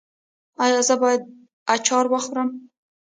ایا زه باید اچار وخورم؟